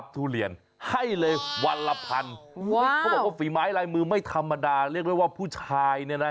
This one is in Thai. ภูมิธรรมดาเรียกได้ว่าผู้ชายเนี่ยนะ